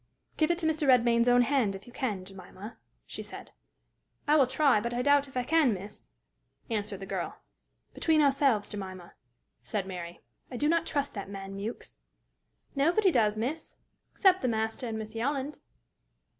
"Give it into Mr. Redmain's own hand, if you can, Jemima," she said. "I will try; but I doubt if I can, miss," answered the girl. "Between ourselves, Jemima," said Mary, "I do not trust that man Mewks." "Nobody does, miss, except the master and Miss Yolland."